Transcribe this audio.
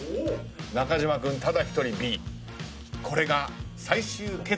中島君ただ１人Ｂ。